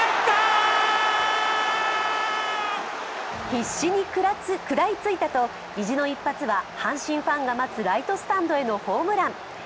必死に食らいついたと、意地の一発は阪神ファンが待つライトスタンドへのホームラン。